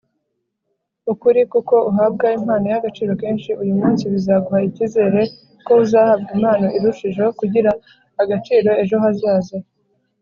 ukuri k’uko uhabwa impano y’agaciro kenshi uyu munsi bizaguha icyizere ko uzahabwa impano irushijeho kugira agaciro ejo hazaza